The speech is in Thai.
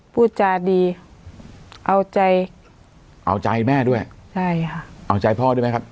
พูดจาดีเอาใจเอาใจแม่ด้วยใช่ค่ะเอาใจพ่อด้วยไหมครับ